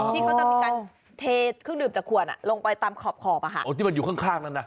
ที่เขาจะมีการเทเครื่องดื่มจากขวดอ่ะลงไปตามขอบอ่ะค่ะอ๋อที่มันอยู่ข้างข้างนั้นน่ะ